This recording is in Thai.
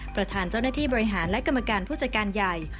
ประธานเจ้าหน้าที่บริหารและกรรมการผู้จัดการใหญ่